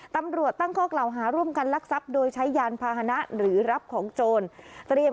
ตำรวจตั้งข้อกล่าวหาร่วมกันลักทรัพย์โดยใช้ยานพาหนะหรือรับของโจร